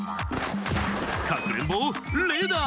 かくれんぼレーダー！